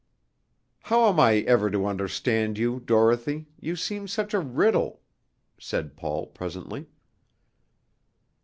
"How am I ever to understand you, Dorothy, you seem such a riddle?" said Paul presently.